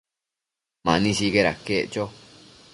Mani sicaid aquec cho